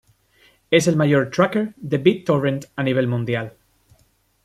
Es el mayor "tracker" de BitTorrent a nivel mundial.